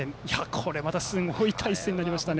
これまたすごい対戦になりましたね。